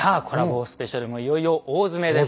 スペシャルもいよいよ大詰めでございます。